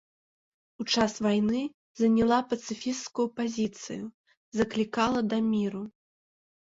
У час вайны заняла пацыфісцкую пазіцыю, заклікала да міру.